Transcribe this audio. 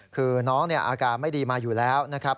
คือน้องอาการไม่ดีมาอยู่แล้วนะครับ